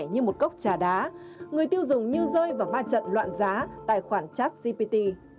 như một cốc trà đá người tiêu dùng như rơi vào ma trận loạn giá tài khoản chát cpt